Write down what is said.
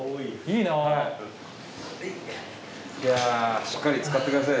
いやしっかりつかって下さい。